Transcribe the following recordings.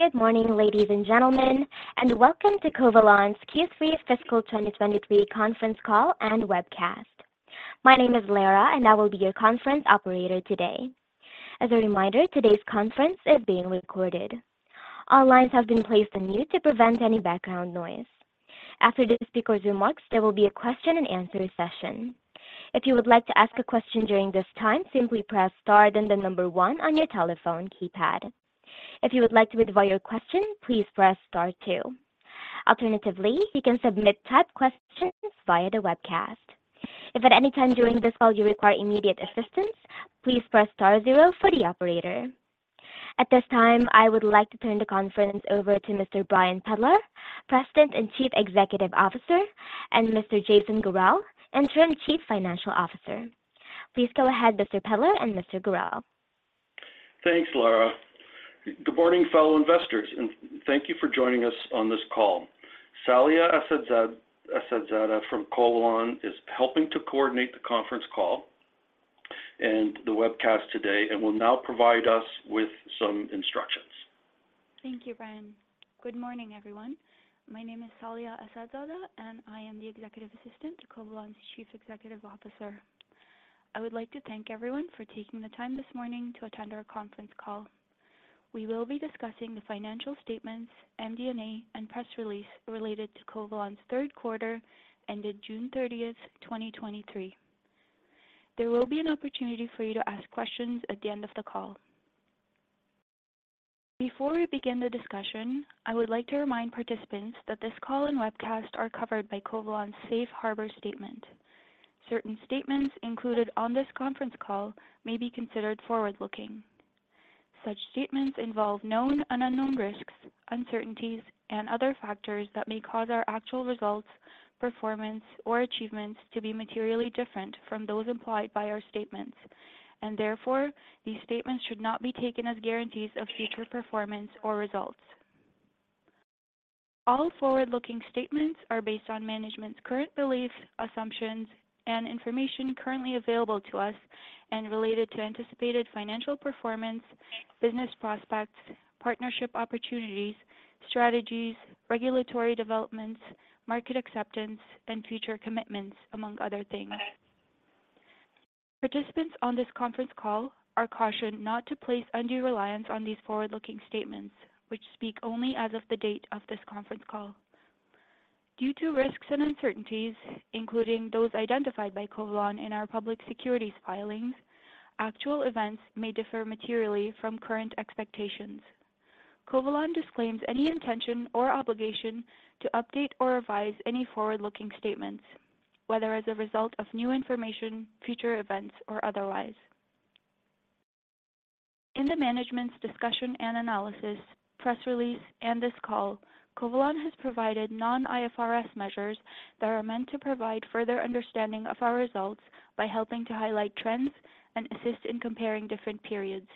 Good morning, ladies and gentlemen, welcome to Covalon's Q3 Fiscal 2023 conference call and webcast. My name is Lara, and I will be your conference operator today. As a reminder, today's conference is being recorded. All lines have been placed on mute to prevent any background noise. After the speaker's remarks, there will be a question and answer session. If you would like to ask a question during this time, simply press star, then the number 1 on your telephone keypad. If you would like to withdraw your question, please press star 2. Alternatively, you can submit type questions via the webcast. If at any time during this call you require immediate assistance, please press star 0 for the operator. At this time, I would like to turn the conference over to Mr. Brian Pedlar, President and Chief Executive Officer, and Mr. Jason Gorel, Interim Chief Financial Officer. Please go ahead, Mr. Pedlar and Mr. Gorel. Thanks, Lara. Good morning, fellow investors, and thank you for joining us on this call. Seila Assadzada from Covalon is helping to coordinate the conference call and the webcast today and will now provide us with some instructions. Thank you, Brian. Good morning, everyone. My name is Seila Assadzada. I am the executive assistant to Covalon's Chief Executive Officer. I would like to thank everyone for taking the time this morning to attend our conference call. We will be discussing the financial statements, MD&A, and press release related to Covalon's third quarter, ended June 30th, 2023. There will be an opportunity for you to ask questions at the end of the call. Before we begin the discussion, I would like to remind participants that this call and webcast are covered by Covalon's Safe Harbor statement. Certain statements included on this conference call may be considered forward-looking. Such statements involve known and unknown risks, uncertainties, and other factors that may cause our actual results, performance, or achievements to be materially different from those implied by our statements, and therefore, these statements should not be taken as guarantees of future performance or results. All forward-looking statements are based on management's current beliefs, assumptions, and information currently available to us and related to anticipated financial performance, business prospects, partnership opportunities, strategies, regulatory developments, market acceptance, and future commitments, among other things. Participants on this conference call are cautioned not to place undue reliance on these forward-looking statements, which speak only as of the date of this conference call. Due to risks and uncertainties, including those identified by Covalon in our public securities filings, actual events may differ materially from current expectations. Covalon disclaims any intention or obligation to update or revise any forward-looking statements, whether as a result of new information, future events, or otherwise. In the management's discussion and analysis, press release, and this call, Covalon has provided non-IFRS measures that are meant to provide further understanding of our results by helping to highlight trends and assist in comparing different periods.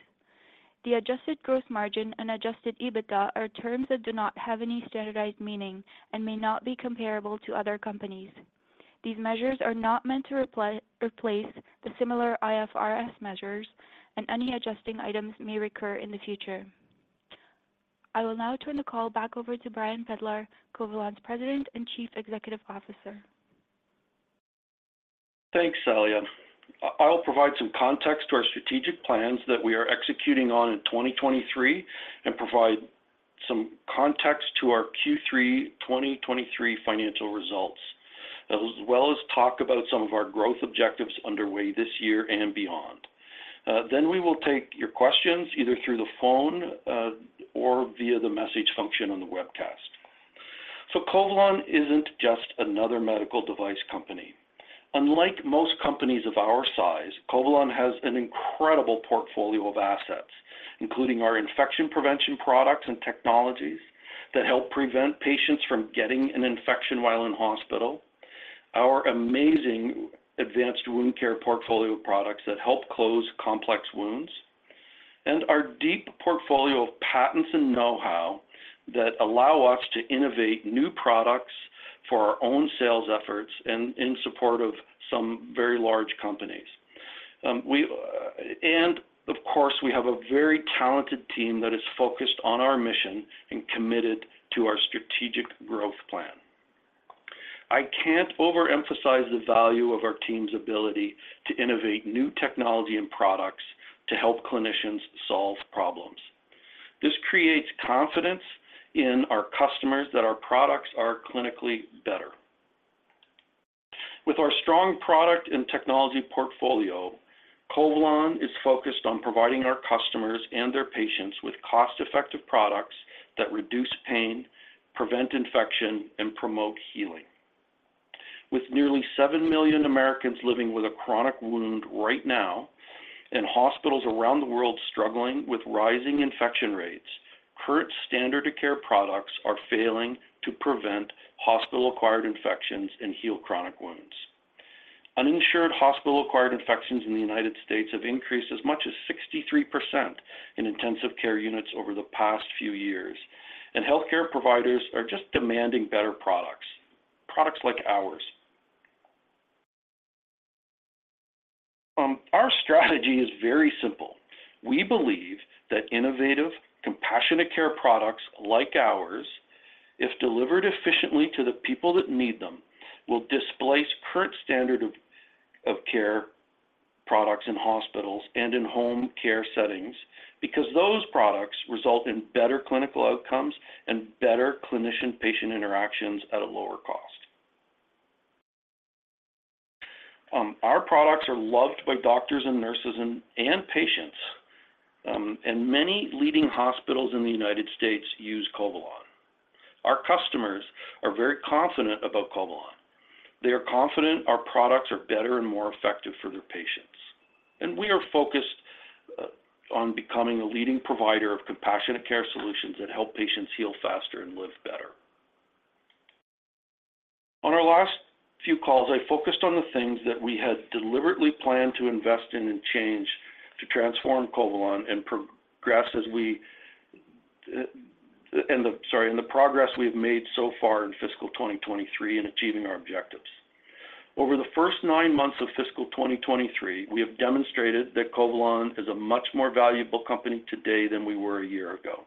The adjusted gross margin and adjusted EBITDA are terms that do not have any standardized meaning and may not be comparable to other companies. These measures are not meant to replace the similar IFRS measures, and any adjusting items may recur in the future. I will now turn the call back over to Brian Pedlar, Covalon's President and Chief Executive Officer. Thanks, Seila. I'll provide some context to our strategic plans that we are executing on in 2023 and provide some context to our Q3 2023 financial results, as well as talk about some of our growth objectives underway this year and beyond. We will take your questions, either through the phone or via the message function on the webcast. Covalon isn't just another medical device company. Unlike most companies of our size, Covalon has an incredible portfolio of assets, including our infection prevention products and technologies that help prevent patients from getting an infection while in hospital, our amazing advanced wound care portfolio of products that help close complex wounds, and our deep portfolio of patents and know-how that allow us to innovate new products for our own sales efforts and in support of some very large companies. we... Of course, we have a very talented team that is focused on our mission and committed to our strategic growth plan. I can't overemphasize the value of our team's ability to innovate new technology and products to help clinicians solve problems. This creates confidence in our customers that our products are clinically better. With our strong product and technology portfolio, Covalon is focused on providing our customers and their patients with cost-effective products that reduce pain, prevent infection, and promote healing. With nearly 7,000,000 Americans living with a chronic wound right now, and hospitals around the world struggling with rising infection rates, current standard of care products are failing to prevent hospital-acquired infections and heal chronic wounds. Uninsured hospital-acquired infections in the United States have increased as much as 63% in intensive care units over the past few years. Healthcare providers are just demanding better products, products like ours. Our strategy is very simple. We believe that innovative, compassionate care products like ours, if delivered efficiently to the people that need them, will displace current standard of care products in hospitals and in home care settings, because those products result in better clinical outcomes and better clinician-patient interactions at a lower cost. Our products are loved by doctors and nurses and patients, and many leading hospitals in the United States use Covalon. Our customers are very confident about Covalon. They are confident our products are better and more effective for their patients. We are focused on becoming a leading provider of compassionate care solutions that help patients heal faster and live better. On our last few calls, I focused on the things that we had deliberately planned to invest in and change to transform Covalon and progress as we and the progress we've made so far in fiscal 2023 in achieving our objectives. Over the first nine months of fiscal 2023, we have demonstrated that Covalon is a much more valuable company today than we were a year ago.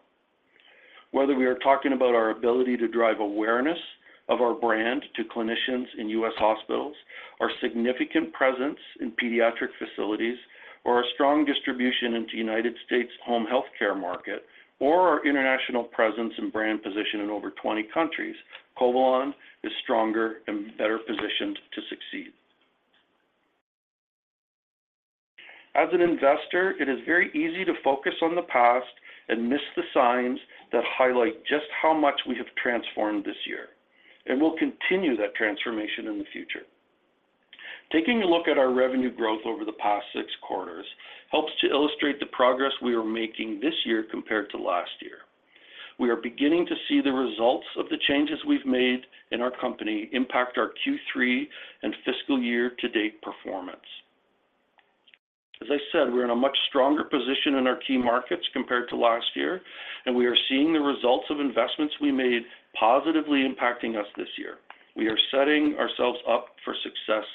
Whether we are talking about our ability to drive awareness of our brand to clinicians in U.S. hospitals, our significant presence in pediatric facilities, or our strong distribution into United States home healthcare market, or our international presence and brand position in over 20 countries, Covalon is stronger and better positioned to succeed. As an investor, it is very easy to focus on the past and miss the signs that highlight just how much we have transformed this year, and we'll continue that transformation in the future. Taking a look at our revenue growth over the past six quarters helps to illustrate the progress we are making this year compared to last year. We are beginning to see the results of the changes we've made in our company impact our Q3 and fiscal year-to-date performance. As I said, we're in a much stronger position in our key markets compared to last year, and we are seeing the results of investments we made positively impacting us this year. We are setting ourselves up for success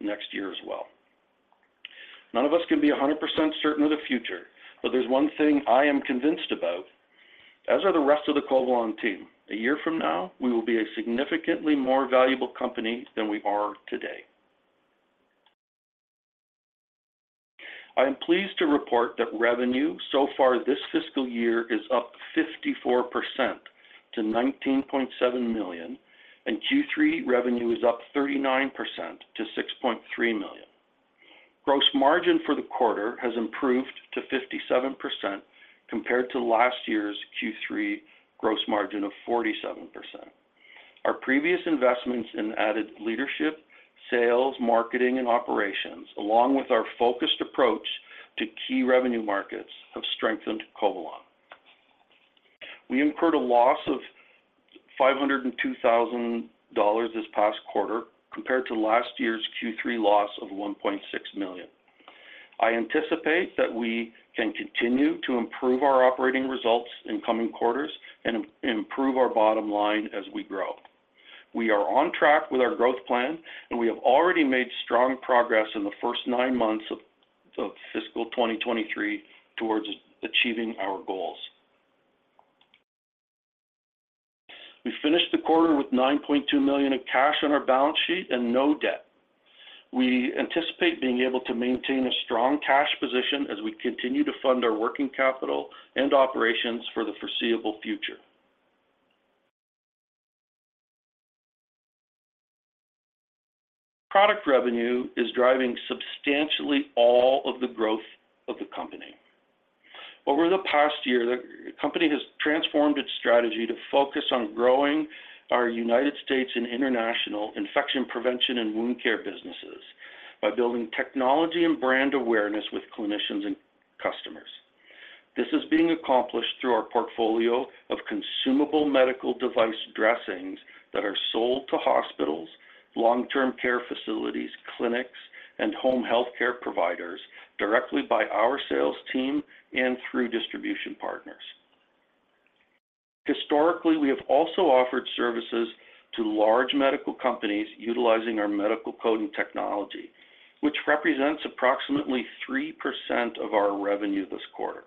next year as well. None of us can be 100% certain of the future, but there's one thing I am convinced about, as are the rest of the Covalon team, a year from now, we will be a significantly more valuable company than we are today. I am pleased to report that revenue so far this fiscal year is up 54% to $19,700,000, and Q3 revenue is up 39% to $6,300,000. Gross margin for the quarter has improved to 57% compared to last year's Q3 gross margin of 47%. Our previous investments in added leadership, sales, marketing, and operations, along with our focused approach to key revenue markets, have strengthened Covalon. We incurred a loss of $502,000 this past quarter, compared to last year's Q3 loss of $1,600,000. I anticipate that we can continue to improve our operating results in coming quarters and improve our bottom line as we grow. We are on track with our growth plan, and we have already made strong progress in the first nine months of fiscal 2023 towards achieving our goals. We finished the quarter with $9,200,000 in cash on our balance sheet and no debt. We anticipate being able to maintain a strong cash position as we continue to fund our working capital and operations for the foreseeable future. Product revenue is driving substantially all of the growth of the company. Over the past year, the company has transformed its strategy to focus on growing our United States and international infection prevention and wound care businesses by building technology and brand awareness with clinicians and customers. This is being accomplished through our portfolio of consumable medical device dressings that are sold to hospitals, long-term care facilities, clinics, and home healthcare providers directly by our sales team and through distribution partners. Historically, we have also offered services to large medical companies utilizing our medical coating technology, which represents approximately 3% of our revenue this quarter.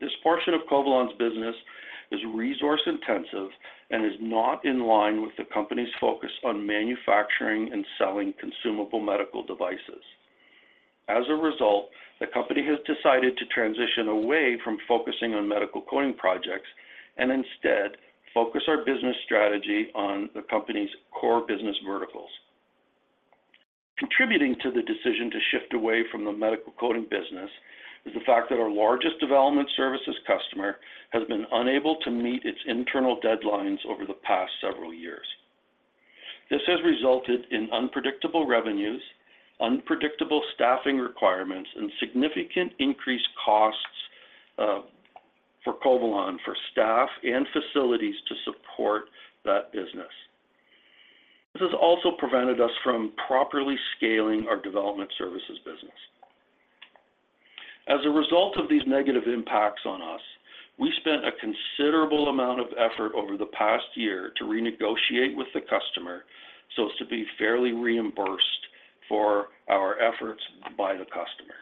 This portion of Covalon's business is resource intensive and is not in line with the company's focus on manufacturing and selling consumable medical devices. The company has decided to transition away from focusing on medical coatingcals. Contributing to the decision to shift away from the medical coating business is the fact that our largest development services customer has been unable to meet its internal deadlines over the past several years. This has resulted in unpredictable revenues, unpredictable staffing requirements, and significant increased costs for Covalon, for staff and facilities to support that business. This has also prevented us from properly scaling our development services business. We spent a considerable amount of effort over the past year to renegotiate with the customer, so as to be fairly reimbursed for our efforts by the customer.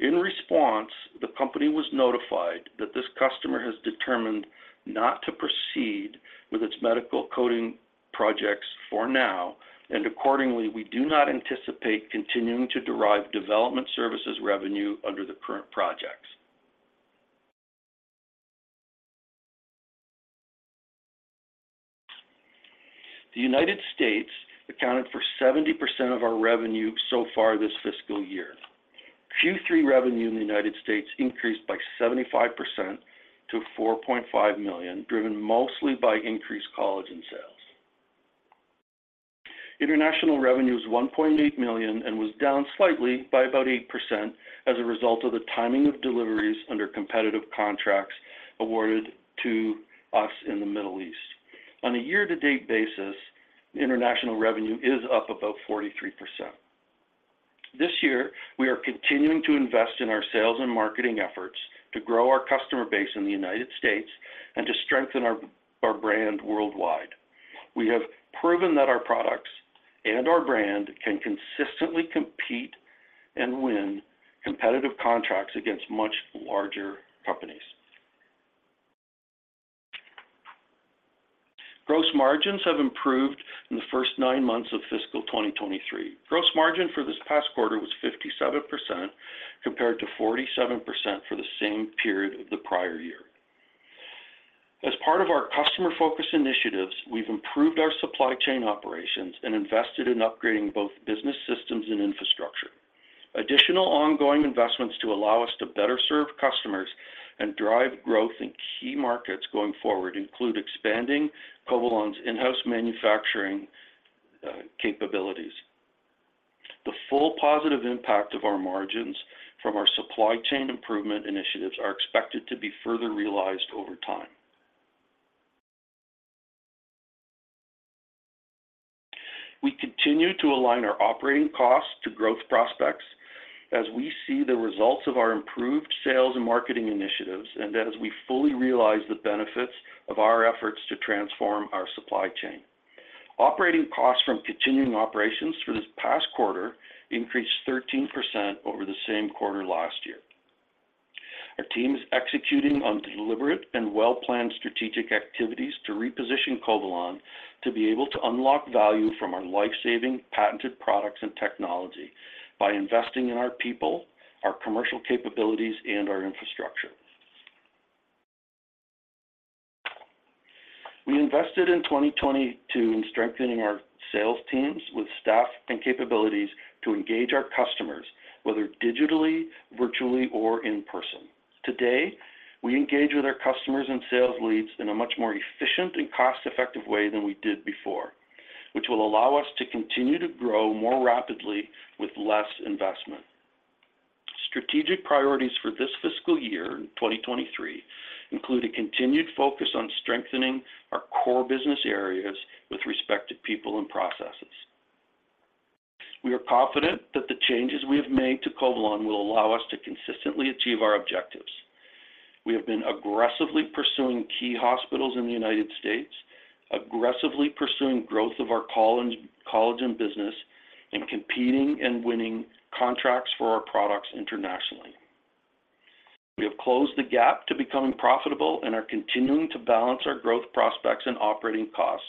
In response, the company was notified that this customer has determined not to proceed with its medical coating projects for now, and accordingly, we do not anticipate continuing to derive development services revenue under the current projects. The United States accounted for 70% of our revenue so far this fiscal year. Q3 revenue in the United States increased by 75% to $4,500,000, driven mostly by increased collagen sales. International revenue is $1,800,000 and was down slightly by about 8% as a result of the timing of deliveries under competitive contracts awarded to us in the Middle East. On a year-to-date basis, international revenue is up about 43%. This year, we are continuing to invest in our sales and marketing efforts to grow our customer base in the United States and to strengthen our, our brand worldwide. We have proven that our products and our brand can consistently compete and win competitive contracts against much larger companies. Gross margins have improved in the first nine months of fiscal 2023. Gross margin for this past quarter was 57%, compared to 47% for the same period of the prior year. As part of our customer focus initiatives, we've improved our supply chain operations and invested in upgrading both business systems and infrastructure. Additional ongoing investments to allow us to better serve customers and drive growth in key markets going forward include expanding Covalon's in-house manufacturing capabilities. The full positive impact of our margins from our supply chain improvement initiatives are expected to be further realized over time. We continue to align our operating costs to growth prospects as we see the results of our improved sales and marketing initiatives, and as we fully realize the benefits of our efforts to transform our supply chain. Operating costs from continuing operations for this past quarter increased 13% over the same quarter last year. Our team is executing on deliberate and well-planned strategic activities to reposition Covalon to be able to unlock value from our life-saving patented products and technology by investing in our people, our commercial capabilities, and our infrastructure. We invested in 2022 in strengthening our sales teams with staff and capabilities to engage our customers, whether digitally, virtually, or in person. Today, we engage with our customers and sales leads in a much more efficient and cost-effective way than we did before, which will allow us to continue to grow more rapidly with less investment. Strategic priorities for this fiscal year, in 2023, include a continued focus on strengthening our core business areas with respect to people and processes. We are confident that the changes we have made to Covalon will allow us to consistently achieve our objectives. We have been aggressively pursuing key hospitals in the United States, aggressively pursuing growth of our collagen business, and competing and winning contracts for our products internationally. We have closed the gap to becoming profitable and are continuing to balance our growth prospects and operating costs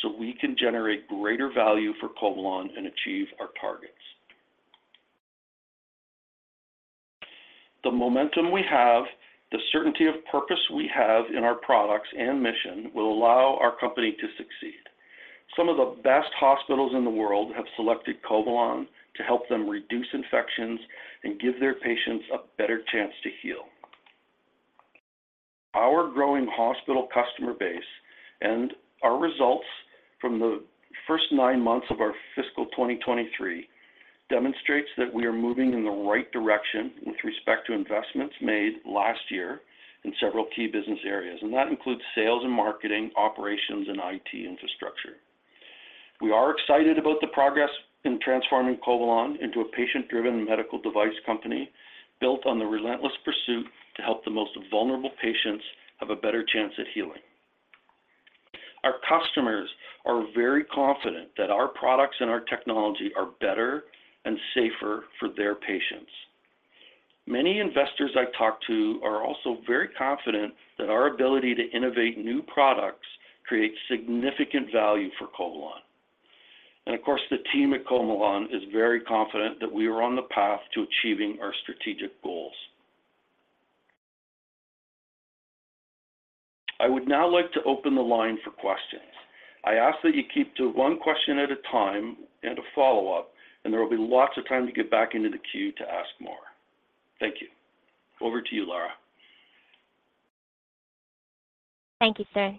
so we can generate greater value for Covalon and achieve our targets. The momentum we have, the certainty of purpose we have in our products and mission, will allow our company to succeed. Some of the best hospitals in the world have selected Covalon to help them reduce infections and give their patients a better chance to heal. Our growing hospital customer base and our results from the first nine months of our fiscal 2023 demonstrates that we are moving in the right direction with respect to investments made last year in several key business areas, and that includes sales and marketing, operations, and IT infrastructure. We are excited about the progress in transforming Covalon into a patient-driven medical device company built on the relentless pursuit to help the most vulnerable patients have a better chance at healing. Our customers are very confident that our products and our technology are better and safer for their patients. Many investors I've talked to are also very confident that our ability to innovate new products creates significant value for Covalon. Of course, the team at Covalon is very confident that we are on the path to achieving our strategic goals. I would now like to open the line for questions. I ask that you keep to one question at a time and a follow-up. There will be lots of time to get back into the queue to ask more. Thank you. Over to you, Lara. Thank you, sir.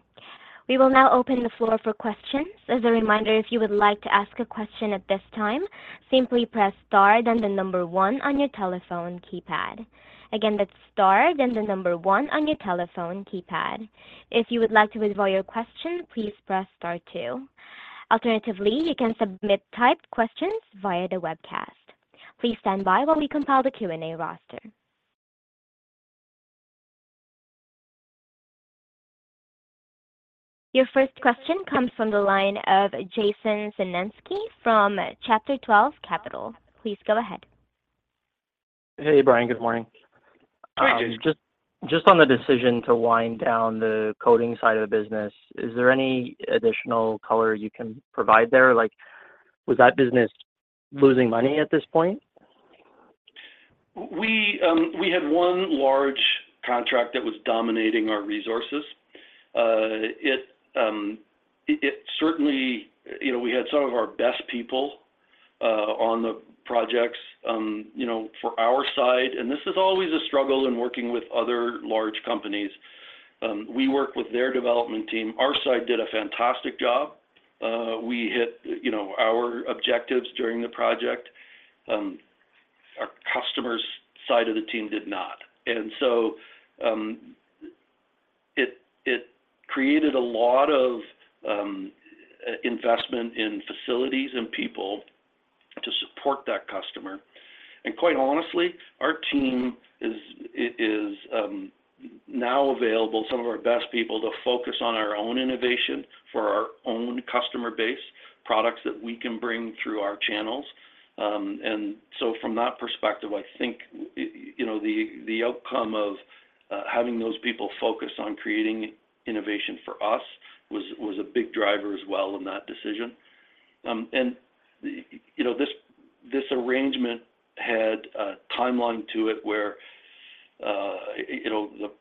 We will now open the floor for questions. As a reminder, if you would like to ask a question at this time, simply press star, then 1 on your telephone keypad. Again, that's star, then 1 on your telephone keypad. If you would like to withdraw your question, please press star 2. Alternatively, you can submit typed questions via the webcast. Please stand by while we compile the Q&A roster. Your first question comes from the line of Jason Zandberg from Chapter Twelve Capital. Please go ahead. Hey, Brian. Good morning. Hi, Jason. Just on the decision to wind down the coding side of the business, is there any additional color you can provide there? Like, was that business losing money at this point? We, we had one large contract that was dominating our resources. Certainly You know, we had some of our best people, on the projects, you know, for our side, this is always a struggle in working with other large companies. We worked with their development team. Our side did a fantastic job. We hit, you know, our objectives during the project. Our customer's side of the team did not. It created a lot of investment in facilities and people to support that customer. Quite honestly, our team is now available, some of our best people, to focus on our own innovation for our own customer base, products that we can bring through our channels. From that perspective, I think, you know, the, the outcome of having those people focus on creating innovation for us was, was a big driver as well in that decision. You know, this, this arrangement had a timeline to it where, you know, the,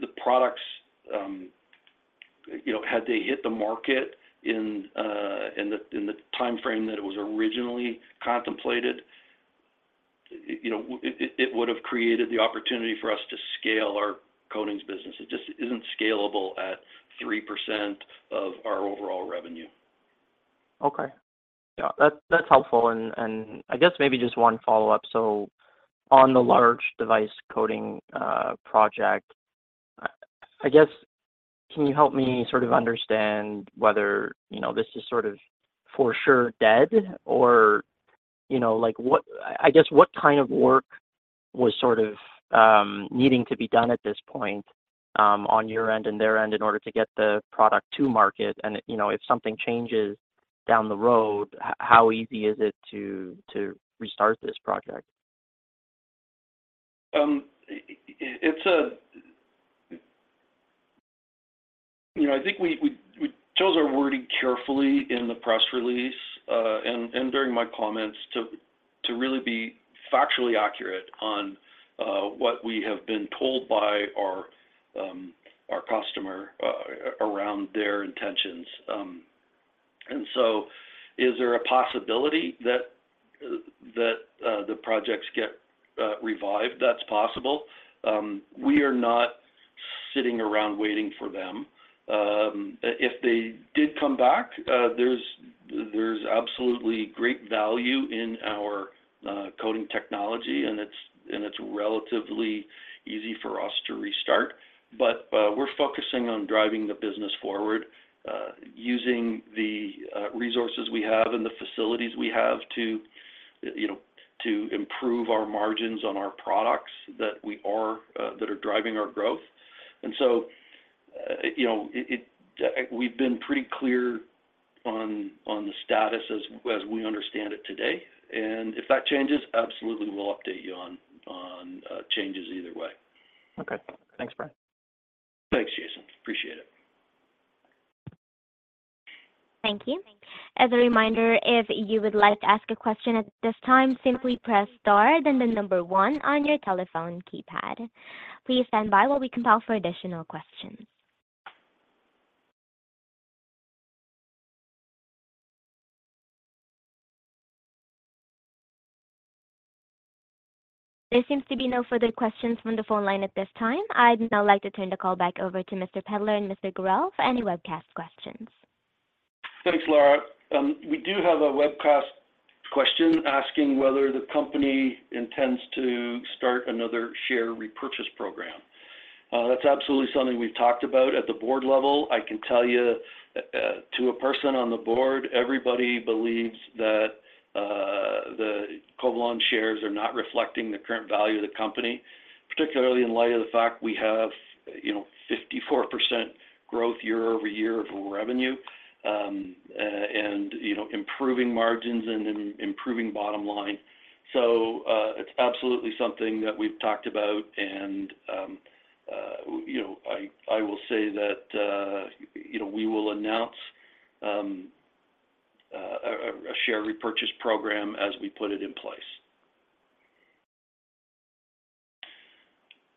the products, you know, had they hit the market in the, in the time frame that it was originally contemplated, you know, it, it, it would have created the opportunity for us to scale our coatings business. It just isn't scalable at 3% of our overall revenue. Okay. Yeah, that's, that's helpful. I guess maybe just one follow-up. On the large device coating project, I guess, can you help me sort of understand whether, you know, this is sort of for sure dead or, you know, like, what... I guess, what kind of work was sort of needing to be done at this point, on your end and their end in order to get the product to market? You know, if something changes down the road, how easy is it to, to restart this project? You know, I think we, we, we chose our wording carefully in the press release, and during my comments, to, to really be factually accurate on what we have been told by our customer around their intentions. Is there a possibility that the projects get revived? That's possible. We are not sitting around waiting for them. If they did come back, there's, there's absolutely great value in our coating technology, and it's, and it's relatively easy for us to restart. We're focusing on driving the business forward, using the resources we have and the facilities we have to, you know, to improve our margins on our products that we are that are driving our growth. You know, it. We've been pretty clear on, on the status as, as we understand it today. If that changes, absolutely, we'll update you on, on, changes either way. Okay. Thanks, Brian. Thanks, Jason. Appreciate it. Thank you. As a reminder, if you would like to ask a question at this time, simply press star, then the number 1 on your telephone keypad. Please stand by while we compile for additional questions. There seems to be no further questions from the phone line at this time. I'd now like to turn the call back over to Mr. Pedlar and Mr. Gorel for any webcast questions. Thanks, Laura. We do have a webcast question asking whether the company intends to start another share repurchase program. That's absolutely something we've talked about at the board level. I can tell you, to a person on the board, everybody believes that the Covalon shares are not reflecting the current value of the company, particularly in light of the fact we have, you know, 54% growth year-over-year from revenue, and, you know, improving margins and an improving bottom line. It's absolutely something that we've talked about, and, you know, I, I will say that, you know, we will announce a share repurchase program as we put it in place.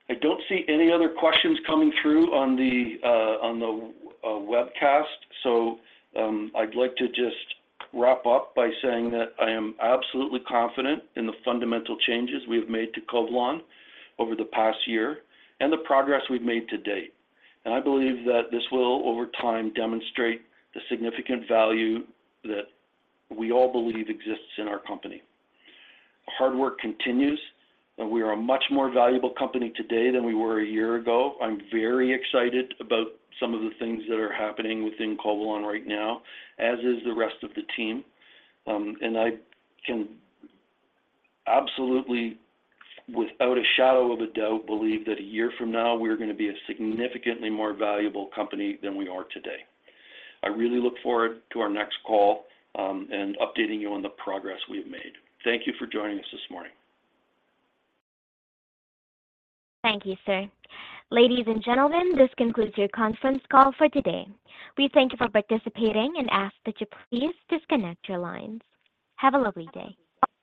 I don't see any other questions coming through on the on the webcast, so I'd like to just wrap up by saying that I am absolutely confident in the fundamental changes we have made to Covalon over the past year and the progress we've made to date. I believe that this will, over time, demonstrate the significant value that we all believe exists in our company. Hard work continues, we are a much more valuable company today than we were a year ago. I'm very excited about some of the things that are happening within Covalon right now, as is the rest of the team. I can absolutely, without a shadow of a doubt, believe that a year from now, we're gonna be a significantly more valuable company than we are today. I really look forward to our next call, and updating you on the progress we've made. Thank you for joining us this morning. Thank you, sir. Ladies and gentlemen, this concludes your conference call for today. We thank you for participating and ask that you please disconnect your lines. Have a lovely day.